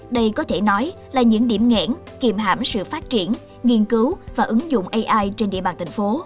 đây có thể nói là những điểm nghẽn kiềm hảm sự phát triển nghiên cứu và ứng dụng ai trên địa bàn tỉnh phố